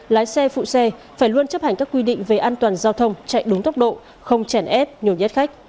lái xe phụ xe phải luôn chấp hành các quy định về an toàn giao thông chạy đúng tốc độ không chèn ép nhồi nhét khách